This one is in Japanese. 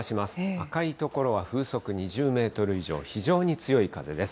赤い所は風速２０メートル以上、非常に強い風です。